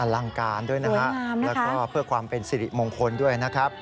ลังการด้วยนะครับแล้วก็เพื่อความเป็นสิริมงคลด้วยนะครับ